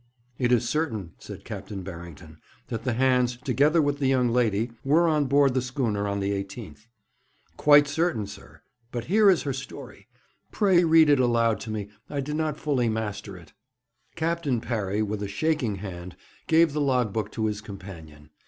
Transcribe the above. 'It is certain,' said Captain Barrington, 'that the hands, together with the young lady, were on board the schooner on the 18th.' 'Quite certain, sir; but here is her story. Pray read it aloud to me; I did not fully master it.' Captain Parry, with a shaking hand, gave the log book to his companion.